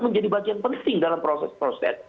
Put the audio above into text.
menjadi bagian penting dalam proses proses